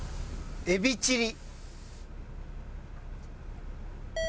エビチリ。